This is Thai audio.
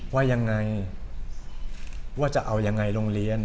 ว่ายังไงว่าจะเอายังไงโรงเรียน